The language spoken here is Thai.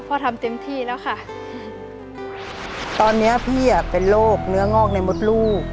ทำเต็มที่แล้วค่ะตอนเนี้ยพี่อ่ะเป็นโรคเนื้องอกในมดลูก